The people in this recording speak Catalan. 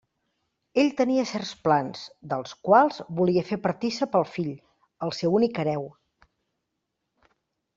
Ell tenia certs plans, dels quals volia fer partícip el fill, el seu únic hereu.